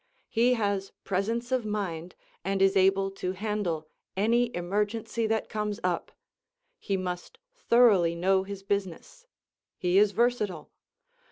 He has presence of mind and is able to handle any emergency that comes up. He must thoroughly know his business. He is versatile.